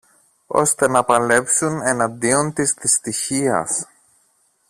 ώστε να παλέψουν εναντίον της δυστυχίας